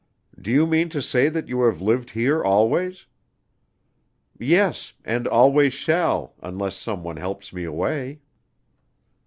"Do you mean to say that you have lived here always?" "Yes, and always shall, unless some one helps me away."